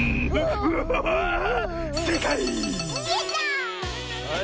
せいかい！